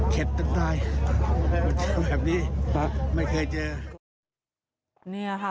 เข็ดจนตายแบบนี้ไม่เคยเจอ